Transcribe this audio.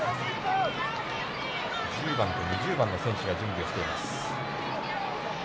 １０番と２０番の選手が準備をしています。